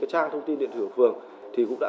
trang thông tin điện thưởng phường thì cũng đã